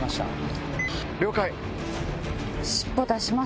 了解。